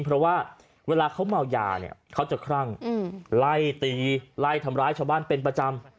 เพราะว่าเวลาเขาเมายาเนี่ยเขาจะคลั่งไล่ตีไล่ทำร้ายชาวบ้านเป็นประจำ